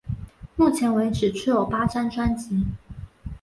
目前为止出有八张专辑。